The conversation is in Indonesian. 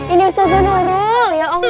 ini ustaz anwarul ya allah